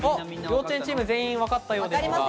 幼稚園チーム、全員わかったようです。